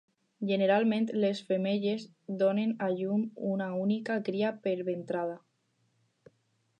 Generalment, les femelles donen a llum una única cria per ventrada.